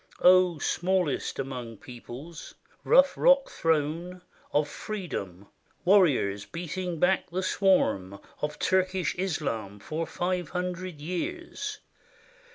O smallest among peoples ! rough rock throne Of Freedom ! warriors beating back the swarm Of Turkish Islam for five hundred years.